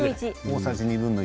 大さじ２分の１。